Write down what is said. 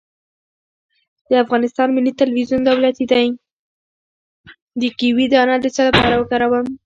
د کیوي دانه د څه لپاره وکاروم؟